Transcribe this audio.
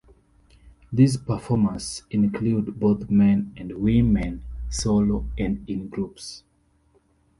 These performers include both men and women, solo and in groups.